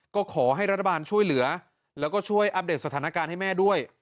ก็ขอให้รัฐบาลช่วยเหลือแล้วก็ช่วยอัปเดตสถานการณ์ให้แม่ด้วย